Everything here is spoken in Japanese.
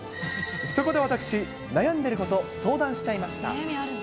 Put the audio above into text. そこで私、悩んでいること、相談しちゃいました。